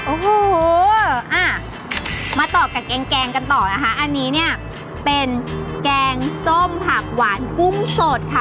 โอ้โหอ่ะมาต่อกับแกงกันต่อนะคะอันนี้เนี่ยเป็นแกงส้มผักหวานกุ้งสดค่ะ